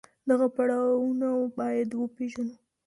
دغه پړاوونه بايد وپېژنو.